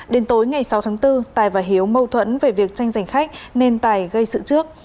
đến tối ngày sáu tháng bốn tài và hiếu mâu thuẫn về việc tranh giành khách nên tài gây sự trước